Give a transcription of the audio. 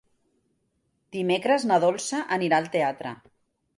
Dimecres na Dolça anirà al teatre.